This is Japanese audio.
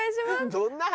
どんな話？